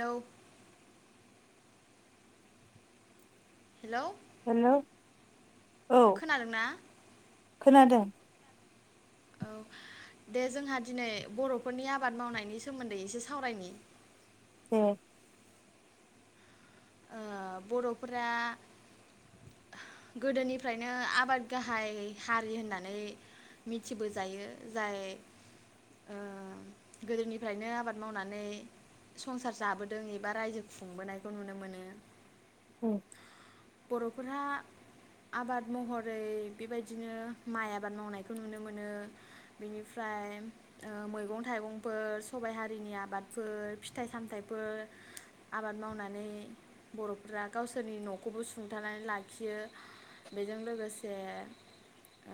औ hello hello खोनादोंना? खोनादों। औ दे जोंहा दिनै बर'फोरनि आबाद मावनायनि सोमोन्दै एसे सावरायनि। दे। ओ बर'फोरा गोदोनिफ्रायनो आबाद गाहाय हारि होननानै मिथिबोजायो जाय ओ गोदोनिफ्रायनो आबाद मावनानै संसार जाबोदों एबा रायजो खुंबोनायखौ नुनो मोनो। औ बर'फोरा आबाद महरै बेबायदिनो माइ आबाद मावनायखौ नुनो मोनो बेनिफ्राय ओ मैगं थाइगंफोर सबाइ हारिनि आबादफोर फिथाइ सामथाइफोर आबाद मावनानै बर'फोरा गावसोरनि न' खौबो सुंथानानै लाखियो बेजों लोगोसे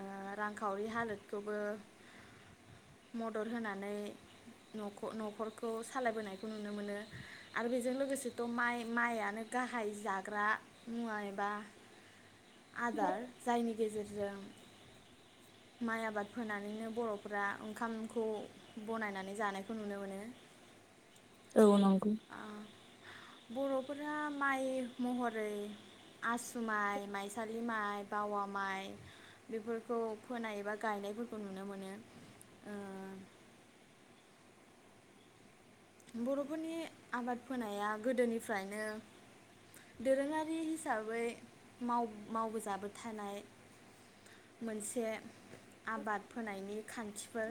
ओ रांखावरि हालोदखौबो मदद होनानै न'ख-न'खरखौ सालायबोनायखौ नुनो मोनो आरो बेजों लोगोसेथ' माइ माइआनो गाहाय जाग्रा मुवा एबा आदार जायनि गेजेरजों माइ आबाद फोनानैनो बर'फोरा ओंखामखौ बनायनानै जानायखौ नुनो मोनो। औ नंगौ। बर'फोरहा माइ महरै आसु माइ माइसालि माइ बावा माइ बेफोरखौ फोनाय बा गायनायफोरखौ नुनो मोनो। ओ बर'फोरनि आबाद फोनाया गोदोनिफ्रायनो दोरोङारि हिसाबै माव-मावबोजाबो थानाय मोनसे आबाद फोनायनि खान्थिफोर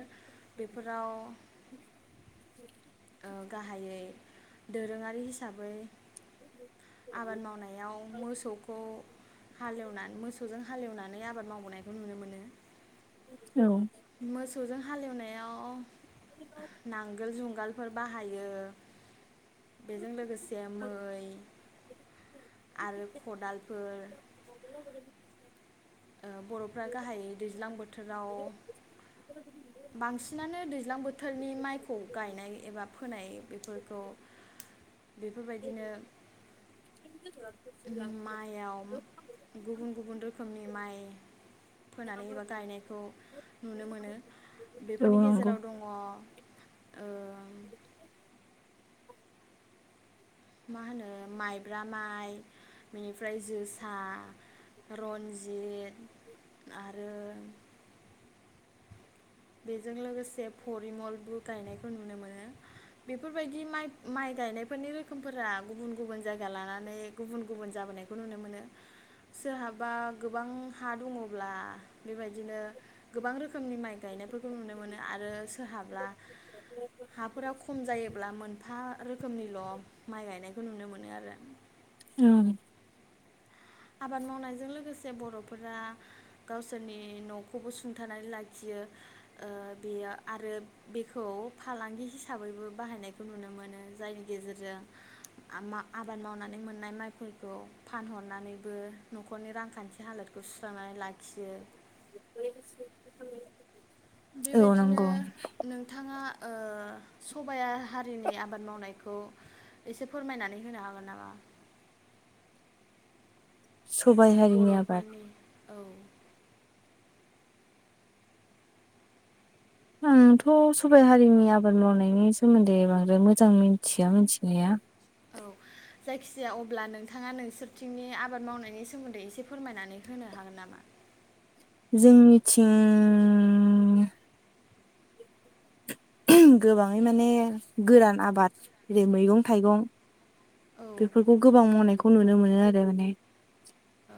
बेफोराव ओ गाहायै दोरोङारि हिसाबै आबाद मावनायाव मोसौखौ हालेवनानै मोसौजों हालेवनानै आबाद मावबोनायखौ नुनो मोनो। औ मोसौजों हालेवनायाव नांगोल जुंगाल फोर बाहायो बेजों लोगोसे मै आरो खदालफोर बर'फ्रा गाहायै दैज्लां बोथोराव बांसिनानो दैज्लां बोथोरनि माइखौ गायनाय एबा फोनाय बेफोरखौ बेफोरबायदिनो माइआव गुबुन गुबुन रोखोमनि माइ फोनानै एबा गायनायखौ नुनो मोनो बेफोरनि औ नंगौ गेजेराव दङ औ [inaudible] मा होनो माइब्रा माइ बेनिफ्राय जोसा रन्जित आरो बेजों लोगोसे से परिमलबो गायनायखौ नुनो मोनो बेफोरबायदि माइ गायनायफोरनि रोखोमफोरा गुबुन गुबुन जायगा लानानै गुबुन गुबुन जाबोनायखौ नुनो मोनो सोरहाबा गोबां हा दङब्ला बेबायदिनो गोबां रोखोमनि माइ माइ गायनायफोरखौ नुनो मोनो आरो सोरहाब्ला हाफोरा खम जायोब्ला मोनफा रोखोमनिल' माइ गायनायखौ नुनो मोनो आरो औ आबाद मावनायजों लोगोसे बर'फोरा गावसोरनि न'खौबो सुंथानानै लाखियो बेयो आरो बेखौ फालांगि हिसाबैबो बाहायनायखौ नुनो मोनो जायनि गेजेरजों आबाद मावनानै मोननाय माइफोरखौ फानहरनानै बो न'खरनि रांखान्थि हालोदखौ सुस्रांनानै ला फाखियो औ बेबायदिनो नंगौ नोंथाङा सबाया हारिनि आबाद मावनायखौ एसे फोरमायनानै होनो हागोन नामा सबाय हारिनो आबाद बर'फोरनि औ आंथ' सबायाइ हारिनि आबाद मावनायनि सोमोन्दै बांद्राय मोजां मिथिया मिथिनाया औ जायखिजाया अब्ला नोंथाङा नोंसोरथिंनि आबाद मावनायनि सोमोन्दै एसे फोरमायनानै होनो हागोन नामा जोंनिथिं गोबाङै माने गोरान आबाद जेरै मैगं थाइगं औ बेफोरखौ गोबां मावनायखौ नुनो मोनो आरोेमाने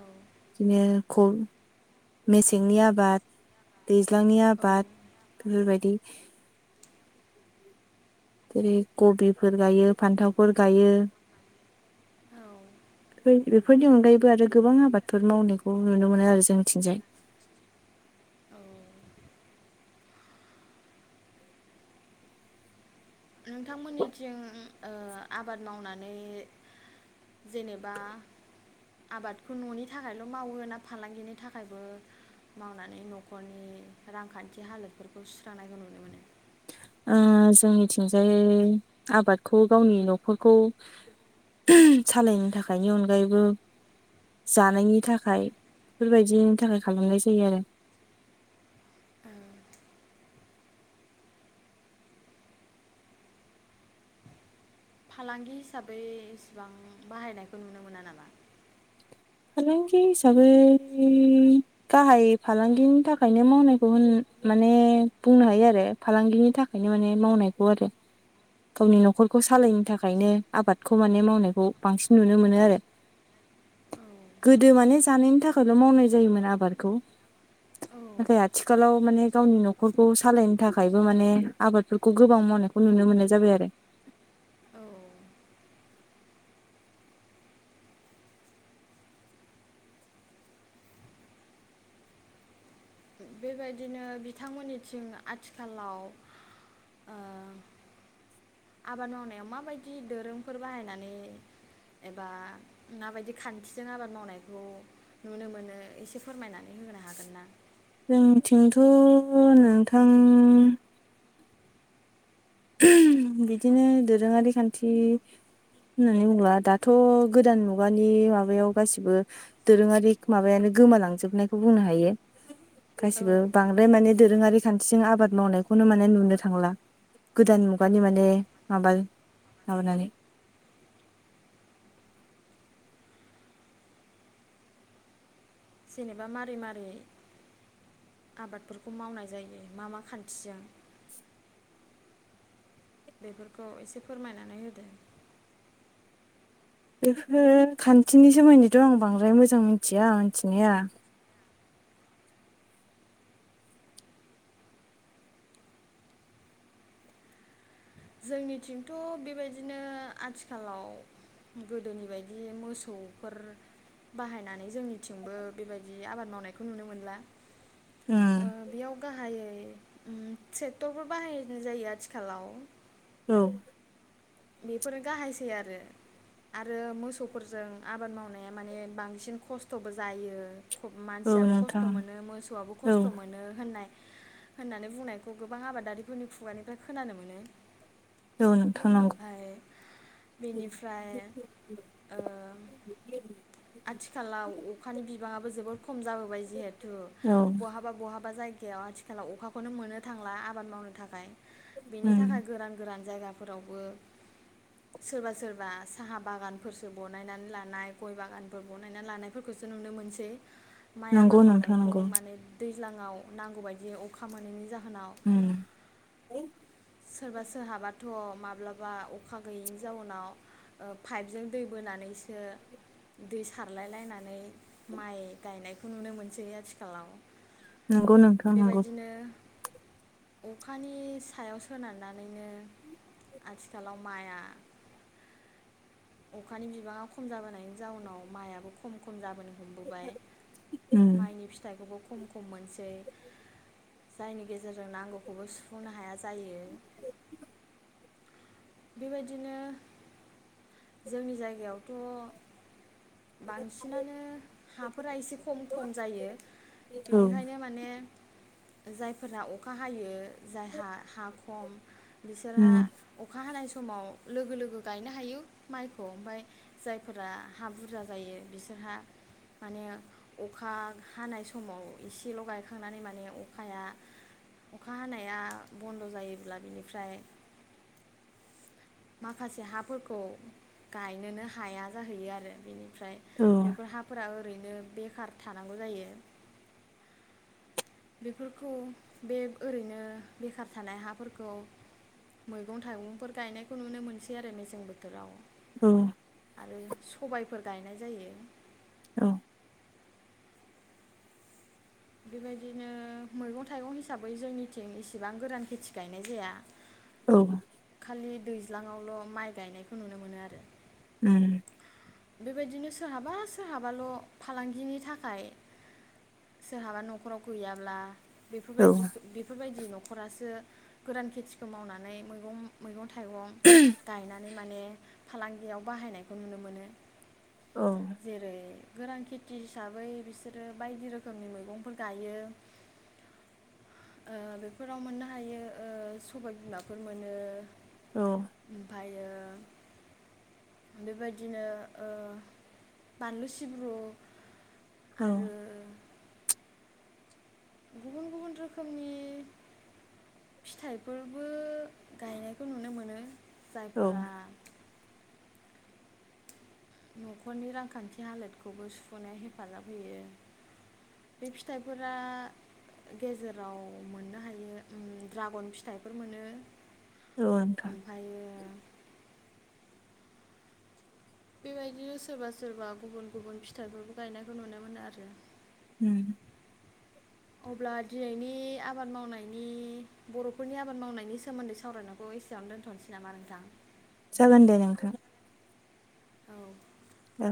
औ बिदिनो खु मेसेंनि आबाद दैज्लांनि औ आबाद बेफोरबायदि जेरै कबिफोर गायो फान्थावफोर गायो औ बेफोरनि अनगायैबो आरो गोबां आबादफोर मावनायखौ नुनो मोनो आरो जोंनिथिंजाय औ नोंथांमोननिथिं आबाद मावनानै जेनेबा आबादखौ न'नि थाखायल' मावो ना फालांगिनि थाखायबो मावनानै न'खरनि रांखान्थि हालोदफोरखौ सुस्रांनायखौ नुनो मोनो ओ जोंनिथिंजाय आबादखौ गावनि न'खरखौ ओ सालायनो थाखायनि अनगायैबो जानायनि थाखाय बेफोरबायदिनि थाखाय खालामनाय जायो आरो फालांगि हिसाबै इसिबां बाहायनायखौ नुनो मोना नामा? फालांगि हिसाबै गाहाय फालांगिनि थाखायनो मावनायखौ होन माने बुंनो हायो आरो फालांगिनि थाखायनो माने मावनायखौ आरो गावनि न'खरखौ सालायनो थाखायनो आबादखौ माने मावनायखौ बांसिन नुनो मोनो आरो औ गोदो माने जानायनि थाखायल' मावनाय जायोमोन आबादखौ नाथाय औ आथिखालाव माने गावनि न'खरखौ सालायनो थाखायबो माने आबादफोरखौ गोबां मावनायखौ नुनो मोननाय जाबाय आरो। औ बेबायदिनो बिथांमोननिथिं आथिखालाव ओ आबाद मावनायाव माबायदि दोरोमफोर बाहायनानै एबा माबायदि खान्थिजों आबाद मावनायखौ नुनो मोनो एसे फोरमायनानै होनो हागोन ना? जोंथिंथ' नोंथां बिदिनो दोरोङारि खान्थि होननानै बुंङोब्ला दाथ' गोदान मुगानि माबायाव गासिबो दोरोङारि माबायानो गोमालांजोबनायखौ बुंनो हायो। औ गासिबो नंगौ बांद्राय माने दोरोङारि खानथिजों आबाद मावनायखौनो माने नुनो थांला। गोदान मुगानि औ माने माबा माबानानै जेनेबा मारै मारै आबादफोरखौ मावनाय जायो मा मा खान्थिजों बेफोरखौ एसे फोरमायनानै होदो बेफोरो खान्थिनि सोमोन्दैथ' आं बांद्राय मोजां मिथिया मिथिनाया जोंनिथिंथ' बेबायदिनो आथिखालाव गोदोनि बायदि मोसौफोर बाहायनानै जोंनिथिंबो बेबायदि आबाद मावनायखौ नुनो मोनला उम ओ बेयाव गाहायै ट्रेक्टरफोर बाहायनो जायो आथिखालाव औ बेफोरो गाहायसै आरो आरो मोसौफोरजों आबाद मावनाया माने बांसिन खस्थ'बो जायो। औ मानसियाबो खस्थ' नोंथां मोनो मोसौआबो औ खस्थ' मोनो होननाय। होननानै बुंनायखौ गोबां आबादारिफोरनि खुगानिफ्राय खोनानो मोनो। औ नों ओमफाय बेनिफ्राय आथिखालाव अखानि बिबाङाबो जोबोद खम जाबोबाय जिहेथु औ बहाबा बहाबा जायगा जखायाव आथिखालाव अखाखौनो मोननो थांला आबाद मावनो थाखाय बेनि उम थाखाय गोरान गोरान जायगा फोरावबो सोरबा सोरबा साहा बागानफोरसो बानायनानै लानाय गय बागान फोर बनायना लानायफोरखौसो नुनो मोनसै। माइ नंगौ आबाद नोंथां मावनायखौ नंगौ माने दै दैज्लाङाव नांगौ बायदियै अखा मोनैनि जाहोन नाव उम सोरबा सोरहाबाथ' माब्लाबा अखा गैयैनि जाउनाव पाइपजों दै बोनानै ओ दै सारलाय लायनानै माइ गायनायखौ नुनो मोनसै आथिखालाव नंगौ नोंथां नंगौ। बेबायदिनो अखानि सायाव सोनारनानैनो आथिखालाव माइआ अखानि बिबाङा खम जाबोनायनि जाउनाव माइआबो खम खम जाबोनो हमबोबाय उम माइनि फिथाइखौबो खम खम मोनसै जायनि गेजेरजों नांगौखौबो सुफुंनो हाया जायो। [unintelligible] बेबायदिनो जोंनि जायगायावथ' बांसिनानो हाफोरा एसे खम खम जायो। औ बेनिखायनो माने जायफोरा अखा हायो जाय हा हा खम बिसोरहा उम अखा हानाय सम समाव लोगो लोगो गायनो हायो। माइखौ ओमफाय जायफोरा हा बुरजा जायो बिसोरहा माने अखा हानाय समाव एसेल' गायखांनानै माने अखाया अखा हानाया बन्द' जायोब्ला बिनिफ्राय माखासे हाफोरखौ गायनोनो हाया जाहैयो आरो बेनि ओमफ्राय औ बेफोर हाफोरा ओरैनो बेखार थानांगौ जायो। बेफोरखौ बे ओरैनो बेखार थानाय हाफोरखौ मैगं थाइगंफोर गायनायखौ नुनो मोनसै आरो मेसें बोथो थोराव औ आरो सबाय फोर गायनाय जायो। औ। बेबायदिनो मैगं थाइगं हिसाबै जोंनिथिं इसिबां गोरान खेथि गायनाय जाया। औ। खालि दैज्लाङावल' माइ गायनायखौ नुनो मोनो आरो। ओम। बेबायदिनो सोरहाबा सोरहाबाल' फालांगिनि थाखाय सोरहाबा न'खराव गैयाब्ला औ बेफोरबायदि बेफोरबायदि न'खरासो गोरान खेथिखौ मावनानै मैगं मैगं थाइगं गायनानै माने फालांगियाव बाहायनायखौ नुनो मोनो। जेरै गोरान खेथि हिसाबै बिसोरो बायदि रोखोमनि मैगंफोर गायो। ओ बेफोराव मोननो हायो ओ सबाय बिमाफोर मोनो। औ ओमफायो बेबायदिनो ओ बानलु सिब्रु औ आरो गुबुन गुबुन रोखोमनि फिथाइफोरबो गायनायखौ नुनो मोनो। औ जायफोरा न'खरनि रांखान्थि हालोदखौबो सुफ'नायाव हेफाजाब होयो। बे फिथाइफोरा गेजेराव मोननो हायो उम ड्रागन फिथाइफोर मोनो। नोंथां ओमफायो बेबायदिनो सोरबा सोरबा गुबुन गुबुन फिथाइफोरखौ गायनायखौ नुनो मोनो आरो। उम। अब्ला दिनैनि आबाद मावनायनि बर'फोरनि आबाद मावनायनि सोमोन्दै सावरायनायखौ एसेयावनो दोनथ'नोसै नामा नोंथां? जागोन दे नोंथां। औ। औ।